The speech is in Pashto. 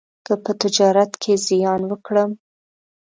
که په تجارت کې زیان وکړم،